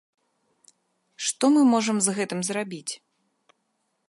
Што мы можам з гэтым зрабіць?